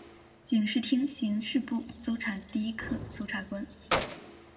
警视厅刑事部搜查第一课搜查官。